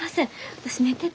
私寝てて。